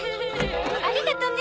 ありがとね